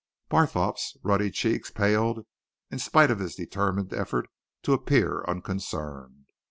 Barthorpe's ruddy cheeks paled in spite of his determined effort to appear unconcerned.